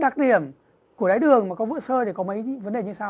đặc điểm của đái đường mà có vỡ sơ thì có mấy vấn đề như thế